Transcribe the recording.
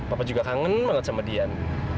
papa juga kangen banget sama dian